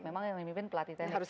memang yang memimpin pelatih